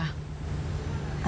dik dik itu siapa